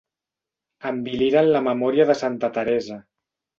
Enviliran la memòria de santa Teresa.